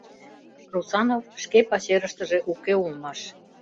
Русанов шке пачерыштыже уке улмаш.